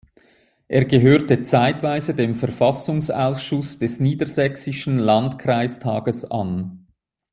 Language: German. Er gehörte zeitweise dem Verfassungsausschuss des niedersächsischen Landkreistages an.